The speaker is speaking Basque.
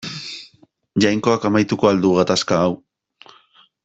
Jainkoak amaituko al du gatazka hau.